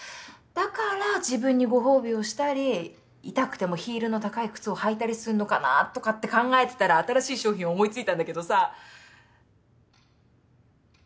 だから自分にご褒美をしたり痛くてもヒールの高い靴を履いたりすんのかなとかって考えてたら新しい商品を思い付いたんだけどさ。